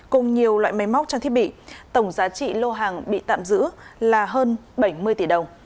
cùng nhiều loại máy móc trang thiết bị tổng giá trị lô hàng bị tạm giữ là hơn bảy mươi tỷ đồng